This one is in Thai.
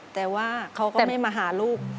แต่ว่าเขาก็ไม่มาหาลูก